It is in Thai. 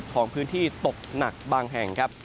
ของพื้นที่ตกหนักบางแห่งครับ